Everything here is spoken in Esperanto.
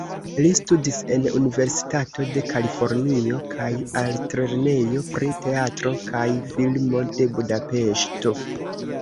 Li studis en Universitato de Kalifornio kaj Altlernejo pri Teatro kaj Filmo de Budapeŝto.